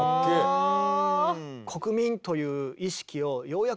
へえ。